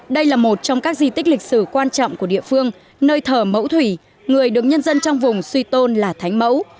đây là một trong các di tích lịch sử quan trọng của địa phương nơi thờ mẫu thủy người được nhân dân trong vùng suy tôn là thánh mẫu